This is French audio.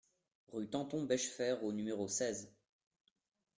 Rue Tanton-Bechefer au numéro seize